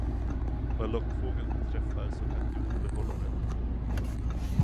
Vad lockfågeln beträffar, så kan Jon behålla den.